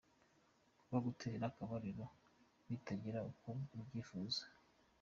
Kuba gutera akabariro bitakigenda uko ubyifuza.